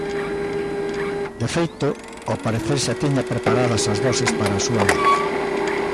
De feito, ao parecer xa tiña preparadas as doses para a súa venda.